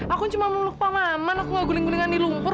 aku cuma meluk pak maman aku gak guling gulingan di lumpur